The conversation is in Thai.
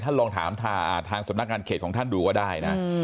ลองถามทางสำนักงานเขตของท่านดูก็ได้นะ